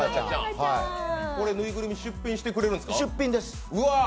これ縫いぐるみ、出品してくれるんですか？